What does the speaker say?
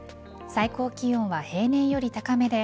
最高気温は平年より高めで